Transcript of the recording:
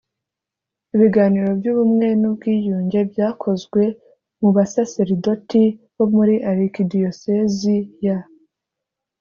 ibiganiro by ubumwe n ubwiyunge byakozwe mu basaseridoti bo muri arikidiyosezi ya